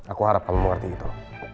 aku harap kamu mengerti itu